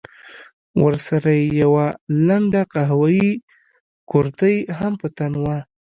ورسره يې يوه لنډه قهويي کورتۍ هم په تن وه.